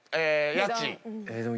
家賃。